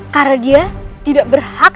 karena dia tidak berhak